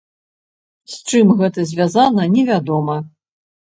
З чым гэта звязана невядома.